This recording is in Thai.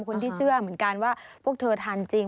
คนที่เชื่อเหมือนกันว่าพวกเธอทานจริง